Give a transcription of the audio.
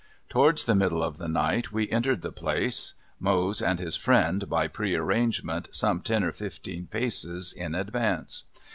Towards the middle of the night we entered the place, Mose and his friend, by pre arrangement, some ten or fifteen paces in advance.